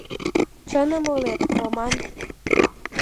Чыным ойлет, Роман.